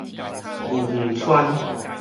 御園村